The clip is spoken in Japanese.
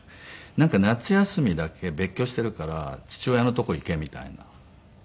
なんか夏休みだけ別居しているから父親の所行けみたいなのがあって。